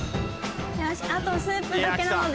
あとスープだけなので。